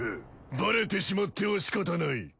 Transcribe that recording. バレてしまっては仕方ない。